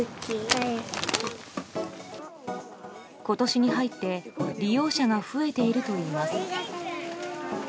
今年に入って利用者が増えているといいます。